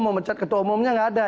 mau mecat ketua umumnya nggak ada